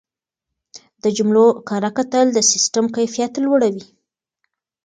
د جملو کره کتل د سیسټم کیفیت لوړوي.